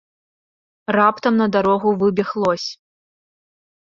Раптам на дарогу выбег лось.